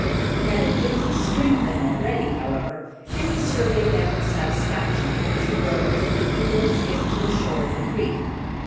He had a goodly string of them already, however, and he surveyed them with satisfaction as he rowed his leaky little skiff to the shore of the creek.